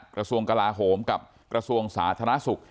กระทรวงกลาโหมกับกระทรวงสาธารณสุข